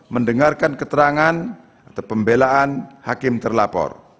mendengarkan keterangan atau pembelaan hakim terlapor